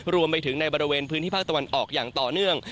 รวมไปถึงในบริเวณพื้นที่ภาคตะวันออกอย่างต่อเนื่อง